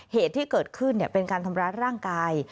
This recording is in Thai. เหตุที่เกิดขึ้นเป็นการทำร้ายร่างกาย